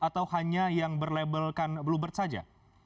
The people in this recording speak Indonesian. atau hanya yang berlabelkan bluebird saja